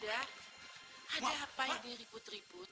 bunda ada apa yang diribut ribut